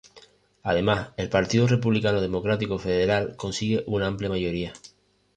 Además, el Partido Republicano Democrático Federal consigue una amplia mayoría.